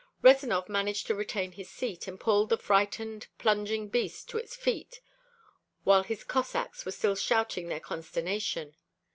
Rezanov managed to retain his seat, and pulled the frightened, plunging beast to its feet while his Cossacks were still shouting their consternation.